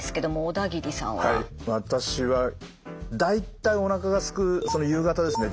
私は大体おなかがすく夕方ですね